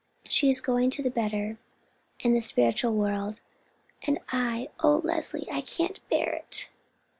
She is going to the better and the spiritual world; and I, oh Leslie, I can't bear it."